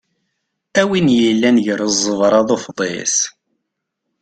Am win yellan gar ẓẓebra d ufḍis.